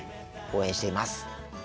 応援しています。